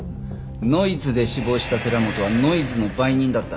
ノイズで死亡した寺本はノイズの売人だった。